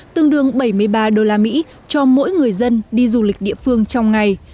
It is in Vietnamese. tương đương bảy mươi ba đô la mỹ cho mỗi người dân đi du lịch địa phương trong ngày